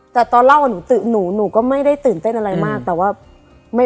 แต่ตอนเล่าหนูหนูก็ไม่ได้ตื่นเต้นอะไรมากแต่ว่าไม่